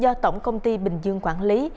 do tổng công ty bình dương quản lý